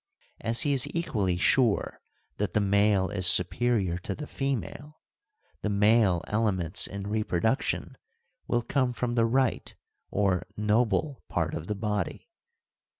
As he is equally sure that the male is superior to the female, the male elements in reproduction will come from the right or noble part of the body.